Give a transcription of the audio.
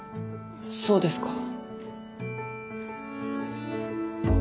そうですか。